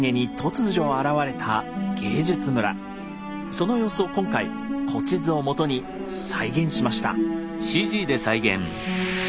その様子を今回古地図をもとに再現しました。